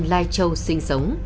lai châu sinh sống